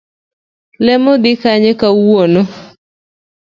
Lemo dhi kanye kawuono.